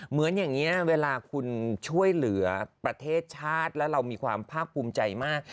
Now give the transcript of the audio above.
เหมือนอย่างนี้เวลาคุณช่วยเหลือประเทศชาติแล้วเรามีความภาคภูมิใจมาก